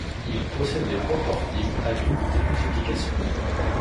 Il possède des ponts-portiques à double démultiplication.